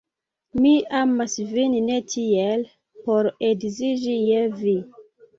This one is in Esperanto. Mi amas vin ne tiel, por edziĝi je vi.